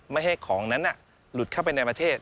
ไม่ให้ของนั้นหลุดเข้าไปในประเทศ